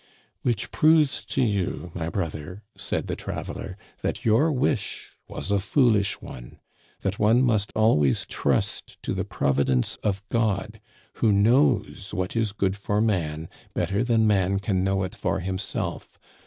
"* Which proves to you, my brother,' said the trav eler, * that your wish was a foolish one ; that one must always trust to the providence of God, who knows what is good for man better than man can know it for himself.